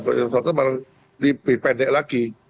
sumatera selatan malah lebih pendek lagi